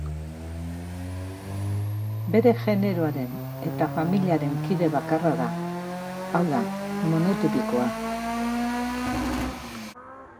Bere generoaren eta familiaren kide bakarra da, hau da, monotipikoa.